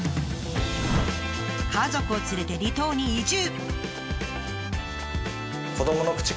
家族を連れて離島に移住。